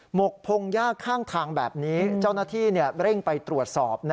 หกพงหญ้าข้างทางแบบนี้เจ้าหน้าที่เร่งไปตรวจสอบ